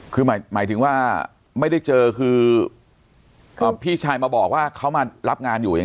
คือหมายถึงว่าไม่ได้เจอคือพี่ชายมาบอกว่าเขามารับงานอยู่อย่างนี้